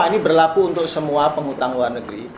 ini berlaku untuk semua penghutang luar negeri